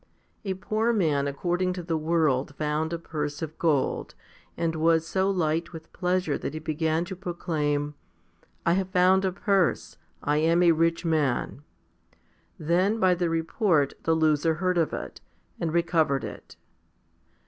A poor man according to the world found a purse of gold, and was so light with pleasure that he began to proclaim, " I have found a purse ; I am a rich man "; then by the report the loser heard of it, and recovered it.